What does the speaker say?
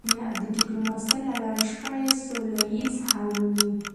د ډيپلوماسی له لارې شخړې سوله ییز حل مومي.